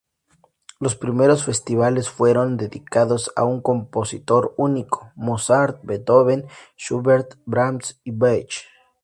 Los primeros festivales fueron dedicados a un compositor único: Mozart, Beethoven, Schubert, Brahms, Bach.